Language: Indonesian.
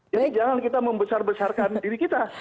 jadi jangan kita membesar besarkan diri kita